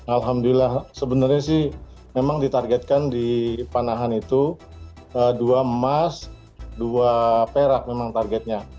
alhamdulillah sebenarnya sih memang ditargetkan di panahan itu dua emas dua perak memang targetnya